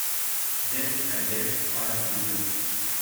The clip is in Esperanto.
Dek kaj dek faras dudek.